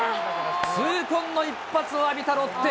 痛恨の一発を浴びたロッテ。